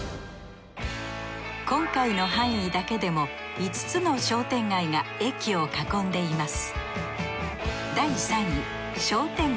今回の範囲だけでも５つの商店街が駅を囲んでいます